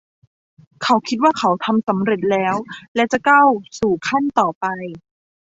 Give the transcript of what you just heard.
เขาคิดว่าเขาทำสำเร็จแล้ว และจะก้าวสู่ขั้นต่อไป